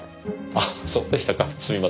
あそうでしたかすみません。